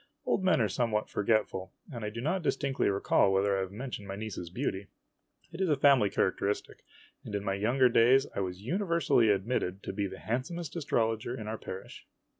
Old men are somewhat forgetful, and I do not distinctly recall whether I have mentioned my niece's beauty. It is a family characteristic, and in my young days I was universally admitted to be the handsomest astrologer in our parish.